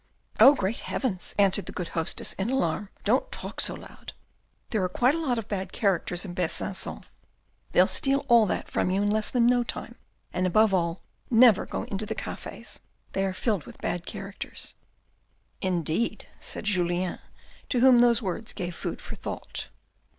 "Oh, great heavens," answered the good hostess in alarm. " Don't talk so loud, there are quite a lot of bad characters in Besancon. They'll steal all that from you in less than no time, and above all, never go into the cafes, they are filled with bad characters." " Indeed," said Julien, to whom those words gave food for thought.